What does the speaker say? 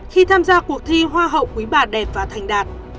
khi tham gia cuộc thi hoa hậu quý bà đẹp và thành đạt